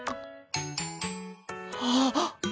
あっ！